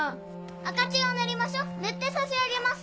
赤チンを塗りましょ塗ってさしあげます。